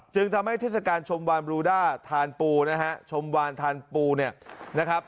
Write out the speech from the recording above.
จึงทำให้เทศกาลชมวานบรูด้าทานปูนะฮะชมวานทานปูเนี่ยนะครับ